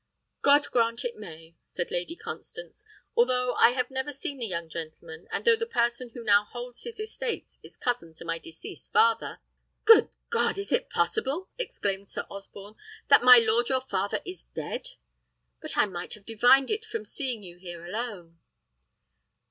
"God grant it may!" said Lady Constance, "although I have never seen the young gentleman, and though the person who now holds his estates is cousin to my deceased father " "Good God! is it possible?" exclaimed Sir Osborne, "that my lord your father is dead? But I might have divined it from seeing you here alone."